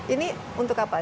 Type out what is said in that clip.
ini untuk apa